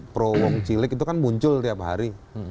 pro wong cilik itu kan muncul tiap hari